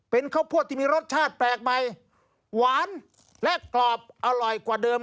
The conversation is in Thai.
เป็นข้าวโพดที่มีรสชาติแปลกใหม่